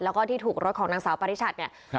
แล้วก็ที่ถูกรถของนางสาวปริชัดเนี่ย